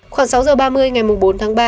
khoảng sáu h ba mươi ngày bốn tháng ba